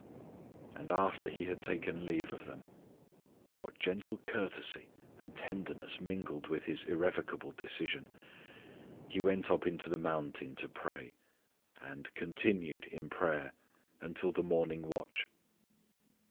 "And after He had taken leave of them" what gentle courtesy and tenderness mingled with His irrevocable decision "He went up in the mountain to pray," and "continued in prayer" until the morning watch.